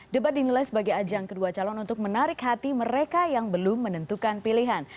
debat dinilai sebagai ajang kedua calon untuk menarik hati mereka yang belum menentukan pilihan